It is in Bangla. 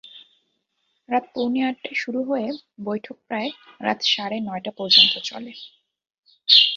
রাত পৌনে আটটায় শুরু হয়ে বৈঠক প্রায় রাত সাড়ে নয়টা পর্যন্ত চলে।